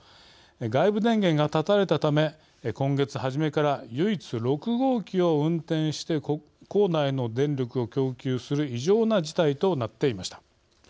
外部電源が断たれたため今月初めから唯一６号機を運転して構内の電力を供給する異常な事態となっていました。